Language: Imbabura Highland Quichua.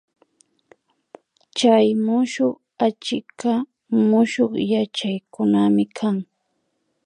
Chay mushuk achikka mushuk yachaykunami kan